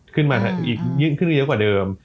ขึ้นมายิ่งขึ้นเรียกกว่าเดิม